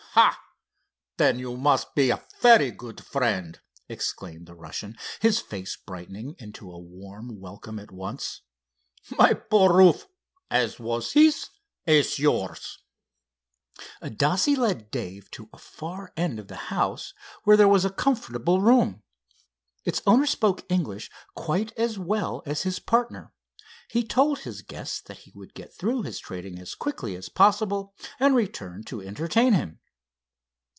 "Ah, then, you must be a very good friend," exclaimed the Russian, his face brightening into a warm welcome at once. "My poor roof, as was his, is yours." Adasse led Dave to a far end of the house, where there was a comfortable room. Its owner spoke English quite as well as his partner. He told his guest that he would get through his trading as quickly as possible, and return to entertain him.